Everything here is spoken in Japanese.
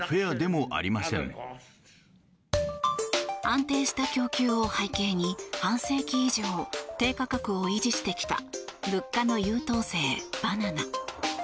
安定した供給を背景に半世紀以上低価格を維持してきた物価の優等生、バナナ。